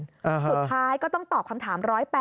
สุดท้ายก็ต้องตอบคำถาม๑๘๐